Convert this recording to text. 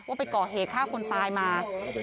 ไปก่อเหตุฆ่าคนตายมา